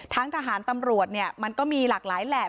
ทหารตำรวจเนี่ยมันก็มีหลากหลายแหล่ง